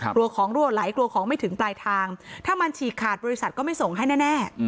กลัวของรั่วไหลกลัวของไม่ถึงปลายทางถ้ามันฉีกขาดบริษัทก็ไม่ส่งให้แน่